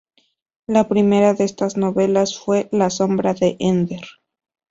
La primera de estas novelas fue "La Sombra de Ender".